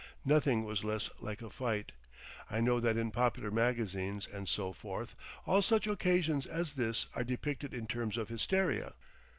Nothing was less like a fight. I know that in popular magazines, and so forth, all such occasions as this are depicted in terms of hysteria.